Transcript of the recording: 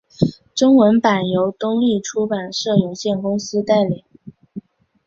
中文版由东立出版社有限公司代理。